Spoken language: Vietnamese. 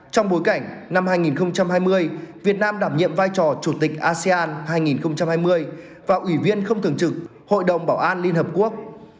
trong bối cảnh năm hai nghìn hai mươi việt nam đảm nhiệm vai trò chủ tịch asean hai nghìn hai mươi và ủy viên không thường trực hội đồng bảo an liên hợp quốc